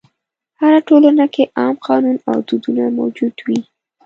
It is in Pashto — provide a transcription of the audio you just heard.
هره ټولنه کې عام قانون او دودونه موجود وي.